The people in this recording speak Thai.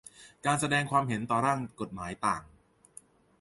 การแสดงความเห็นต่อร่างกฎหมายต่าง